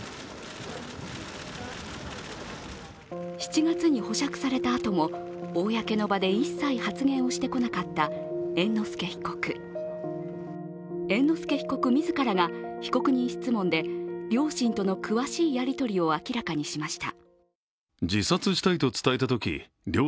７月に保釈されたあとも公の場で一切発言をしてこなかった猿之助被告猿之助被告自らが被告人質問で両親との詳しいやり取りを明らかにしました。